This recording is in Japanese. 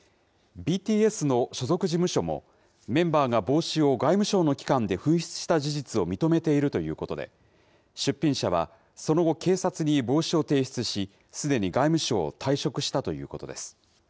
ＢＴＳの所属事務所も、メンバーが帽子を外務省の機関で紛失した事実を認めているということで、出品者はその後、警察に帽子を提出し、すでに外務省を退職したということです。